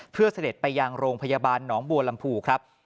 เพื่อเสด็จไปยังโรงพยาบาลหนองบัวลำพูครับ